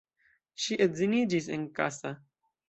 Ŝi edziniĝis en Kassa.